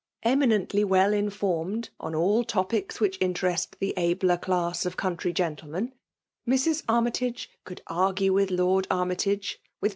Eminently well in* ^ formed on aH' topics which interest the abler.' class of country gentlemen, Mrs. Armytage^ could ai gue with Lord Armytage,<« *with!